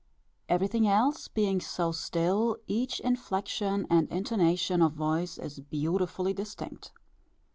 Everything else being so still, each inflection and intonation of voice is beautifully distinct.